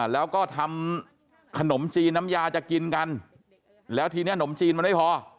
แล้วก็ทำขนมจีนน้ำยาจะกินกันแล้วทีนี้ขนมจีนมันไม่พอ